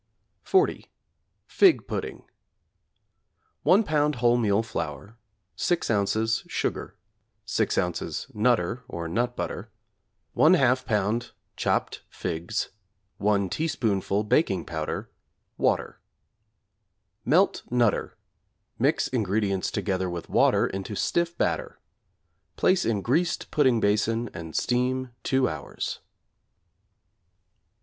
=40. Fig Pudding= 1 lb. whole meal flour, 6 ozs. sugar, 6 ozs. 'Nutter,' or nut butter, 1/2 chopped figs, 1 teaspoonful baking powder, water. Melt 'Nutter,' mix ingredients together with water into stiff batter; place in greased pudding basin and steam 2 hours.